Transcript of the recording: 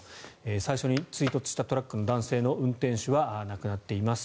最初に追突したトラックの男性の運転手は亡くなっています。